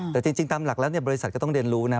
แต่จริงตามหลักแล้วบริษัทก็ต้องเรียนรู้นะ